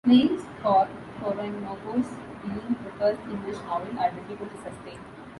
Claims for "Oroonoko's" being the "first English novel" are difficult to sustain.